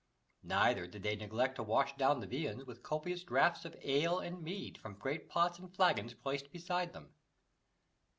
Neither did they neglect to wash down the viands with copious draughts of ale and mead from great pots and flagons placed beside them.